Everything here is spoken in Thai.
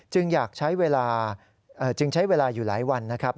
จึงอยากใช้เวลาอยู่หลายวันนะครับ